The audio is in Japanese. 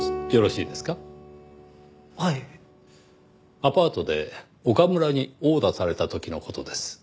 アパートで岡村に殴打された時の事です。